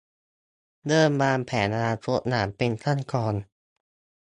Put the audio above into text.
เริ่มวางแผนอนาคตอย่างเป็นขั้นตอน